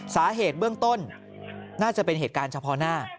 สาเหตุเบื้องต้นน่าจะเป็นเหตุการณ์เฉพาะหน้า